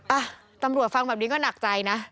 อ่ะตำรวจฟังแบบนี้ก็หนักใจนะ